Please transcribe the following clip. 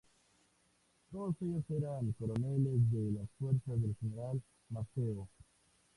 Todos ellos eran coroneles de las fuerzas del General Maceo.